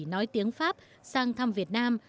nói tiếng pháp sang thăm việt nam